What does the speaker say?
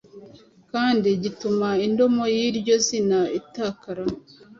kandi gituma indomo y’iryo zina itakara